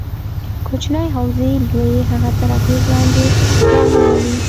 کوچنۍ حوزې لویې هغه تر اغېز لاندې رانه ولي.